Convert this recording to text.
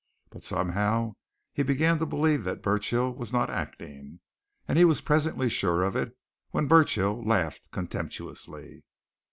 But somehow he began to believe that Burchill was not acting. And he was presently sure of it when Burchill laughed contemptuously.